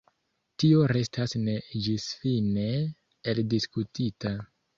Tio restas ne ĝisfine eldiskutita.